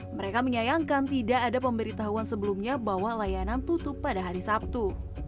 mereka menyayangkan tidak ada pemberitahuan sebelumnya bahwa layanan tutup pada hari sabtu